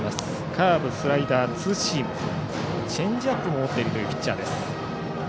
カーブ、スライダー、ツーシームチェンジアップも持っているというピッチャー。